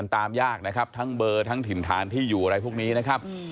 ตามยากนะครับทั้งเบอร์ทั้งถิ่นฐานที่อยู่อะไรพวกนี้นะครับ